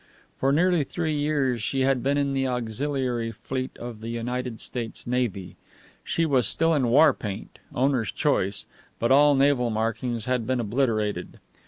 For nearly three years she had been in the auxiliary fleet of the United States Navy. She was still in war paint, owner's choice, but all naval markings had been obliterated.